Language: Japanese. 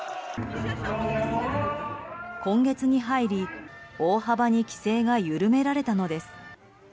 今月に入り大幅に規制が緩められたのです。